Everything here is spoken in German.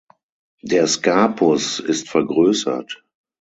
Der Scapus ist vergrößert.